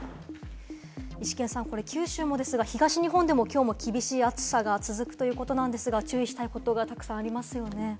イシケンさん、これ九州もですが東日本でも、きょうも厳しい暑さが続くということなんですが、注意したいことがたくさんありますね。